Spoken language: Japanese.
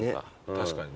確かにね。